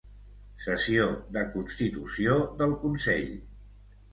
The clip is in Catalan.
Sessió de constitució del Consell.